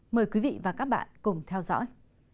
mời quý vị và các bạn cùng theo dõi